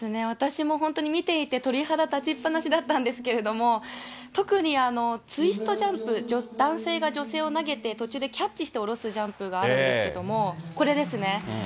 私も本当に見ていて鳥肌立ちっぱなしだったんですけれども、特にツイストジャンプ、男性が女性を投げて途中でキャッチして降ろすジャンプがあったんですけれども、これですね。